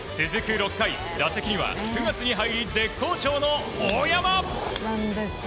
６回、打席には９月に入り絶好調の大山。